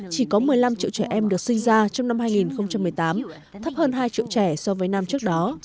chỉ có một mươi năm triệu trẻ em được sinh ra trong năm hai nghìn một mươi tám thấp hơn hai triệu trẻ so với năm trước đó